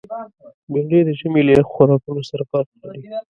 بېنډۍ د ژمي له یخو خوراکونو سره فرق لري